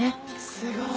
すごい。